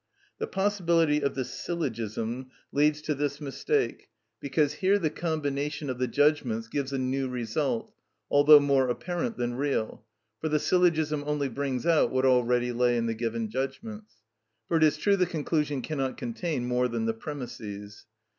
The possibility of the syllogism leads to this mistake, because here the combination of the judgments gives a new result, although more apparent than real, for the syllogism only brings out what already lay in the given judgments; for it is true the conclusion cannot contain more than the premisses.